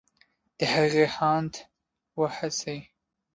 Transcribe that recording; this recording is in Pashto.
د هغې هاند و هڅې